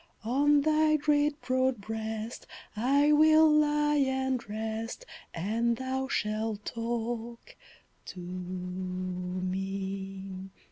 On thy great broad breast I will lie and rest, And thou shalt talk to me.